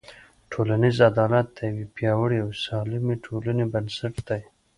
ټولنیز عدالت د یوې پیاوړې او سالمې ټولنې بنسټ دی.